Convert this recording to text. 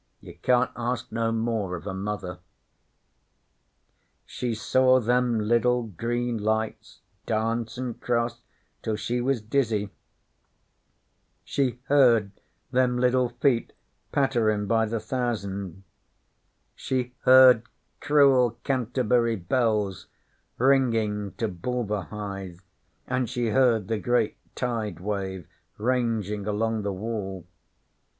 You can't ask no more of a Mother." 'She saw them liddle green lights dance an' cross till she was dizzy; she heard them liddle feet patterin' by the thousand; she heard cruel Canterbury Bells ringing to Bulverhithe, an' she heard the great Tide wave ranging along the Wall.